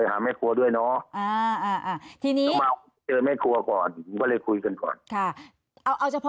ก็จะมีแม่ตัวคนนี้ซังไหมคะและมีใครอีกไหมคะ